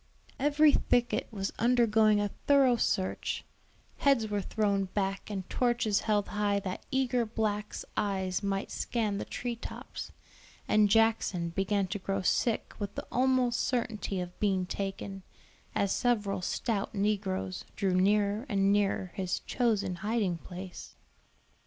Every thicket was undergoing a thorough search, heads were thrown back and torches held high that eager blacks eyes might scan the tree tops, and Jackson began to grow sick with the almost certainty of being taken, as several stout negroes drew nearer and nearer his chosen hiding place.